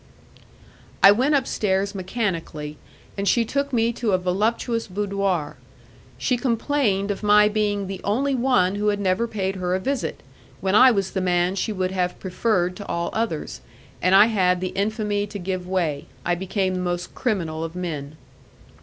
I went upstairs mechanically, and she took me to a voluptuous boudoir; she complained of my being the only one who had never paid her a visit, when I was the man she would have preferred to all others, and I had the infamy to give way.... I became the most criminal of men.